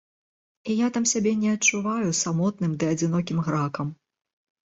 І я там сябе не адчуваю самотным ды адзінокім гракам.